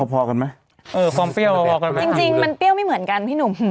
พอกันไหมเออความเปรี้ยวพอกันไหมจริงจริงมันเปรี้ยวไม่เหมือนกันพี่หนุ่ม